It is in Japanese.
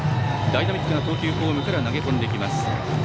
ダイナミックな投球フォームから投げ込んできます。